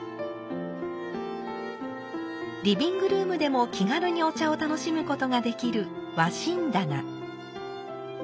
リビングルームでも気軽にお茶を楽しむことができる「和親棚」。